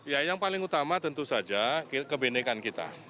ya yang paling utama tentu saja kebenekan kita